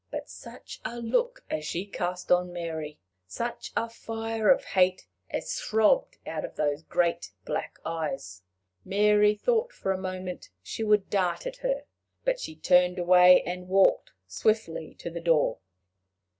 But such a look as she cast on Mary! such a fire of hate as throbbed out of those great black eyes! Mary thought for a moment she would dart at her. But she turned away, and walked swiftly to the door.